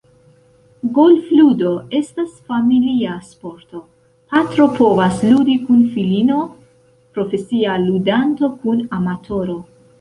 Golfludo estas familia sporto – patro povas ludi kun filino, profesia ludanto kun amatoro.